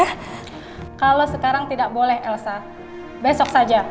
saya mau nanyain keadaan anak saya soalnya saya tadi mimpi buruk soal anak saya